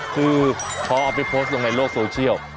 คือพอเอาไปโพสต์ลงในโลกโซเชียล